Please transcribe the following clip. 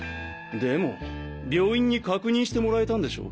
でも病院に確認してもらえたんでしょ？